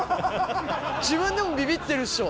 自分でもビビってるっしょ。